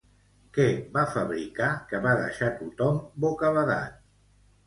Què va fabricar que va deixar tothom bocabadat?